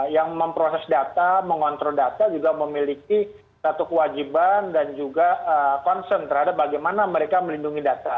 yang memproses data mengontrol data juga memiliki satu kewajiban dan juga concern terhadap bagaimana mereka melindungi data